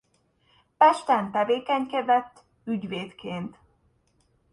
Pesten tevékenykedett ügyvédként.